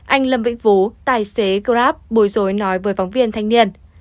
anh lâm vĩnh vũ tài xế grab bồi dối nói với phóng viên thanh niên